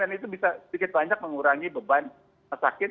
dan itu bisa sedikit banyak mengurangi beban sakit